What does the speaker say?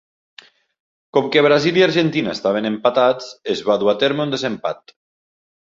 Com que Brasil i Argentina estaven empatats, es va dur a terme un desempat.